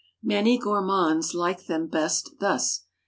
Many gourmands like them best thus.